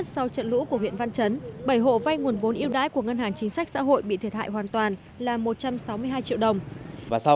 từ chương trình vay yêu đái cho hộ nghèo để mua trâu sinh sản